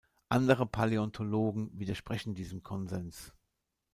Andere Paläontologen widersprechen diesem Konsens.